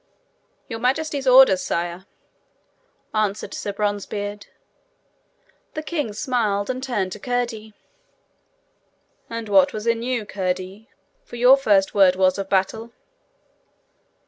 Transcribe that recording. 'Your Majesty's orders, sire,' answered Sir Bronzebeard. The king smiled and turned to Curdie. 'And what was in yours, Curdie, for your first word was of battle?'